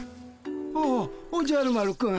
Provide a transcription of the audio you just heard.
おおおじゃる丸くん。